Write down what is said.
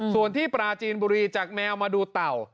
ส่วนที่ปราจีนบุรีจากแมวมาดูเต่า